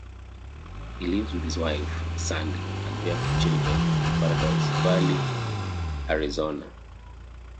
He lives with his wife, Sandy, and their two children in Paradise Valley, Arizona.